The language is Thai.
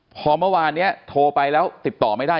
พอเมื่อวานนี้โทรไปแล้วติดต่อไม่ได้